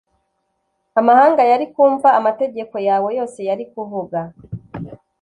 Amahanga yari kumva amategeko yawe yose yari kuvuga